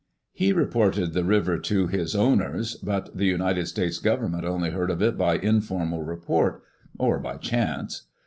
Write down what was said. He reported the river to his owners, but the United States Government only heard of it by informal report, or by chance.